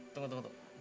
tunggu tunggu tunggu